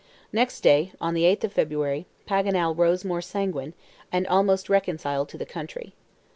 Next day, on the 8th of February, Paganel rose more sanguine, and almost reconciled to the country.